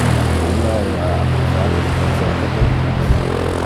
Illa era accusate de facer calumnias.